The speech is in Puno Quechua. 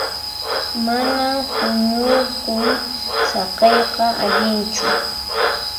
Manan huñukuy saqiyqa allinchu.